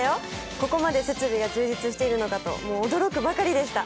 ここまで設備が充実しているのかと、驚くばかりでした。